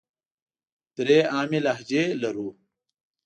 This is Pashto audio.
درې عامې لهجې لرو.